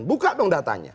buka dong datanya